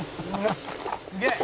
「すげえ！」